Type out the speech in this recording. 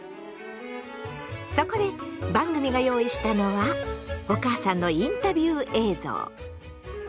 そこで番組が用意したのはお母さんのインタビュー映像。